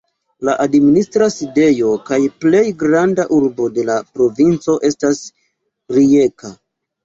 La administra sidejo kaj plej granda urbo de la provinco estas Rijeka.